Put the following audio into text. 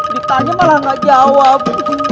ditanya malah gak jawab